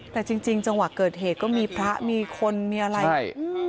แต่จริงจังหวะเกิดเหตุก็มีพระมีคนมีอะไรใช่